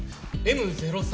Ｍ０３